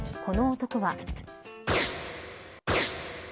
この男は。